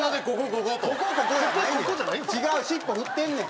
尻尾振ってんねん。